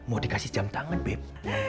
mau dikasih jam tangan bip